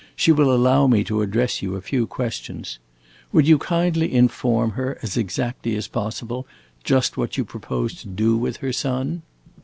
She will allow me to address you a few questions. Would you kindly inform her, as exactly as possible, just what you propose to do with her son?"